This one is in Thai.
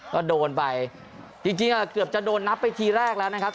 ก็โดนไปจริงเกือบจะโดนนับไปทีแรกแล้วนะครับ